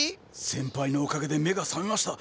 先輩のおかげで目が覚めました。